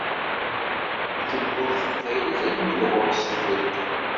Tewweḍ teqbaylit armi d ɣur-s, tebded.